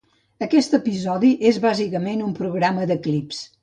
Aquest episodi és bàsicament un programa de clips.